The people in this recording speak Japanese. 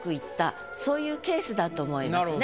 そういうケースだと思いますね